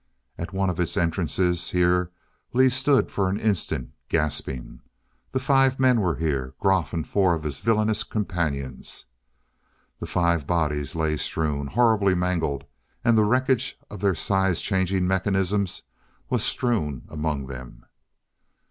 At one of its entrances here Lee stood for an instant gasping. The five men were here Groff and four of his villainous companions. The five bodies lay strewn horribly mangled. And the wreckage of their size change mechanisms was strewn among them.